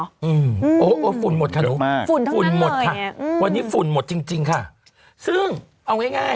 โอ้โฮฝุ่นหมดค่ะหนูฝุ่นหมดค่ะวันนี้ฝุ่นหมดจริงค่ะซึ่งเอาง่าย